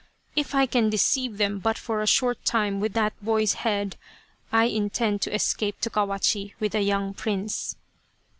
If I can deceive them but for a short time with that boy's head, I intend to escape to Kawachi with the young prince."